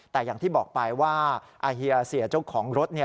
แต่อย่างที่บอกไปว่าอาเฮียเสียเจ้าของรถ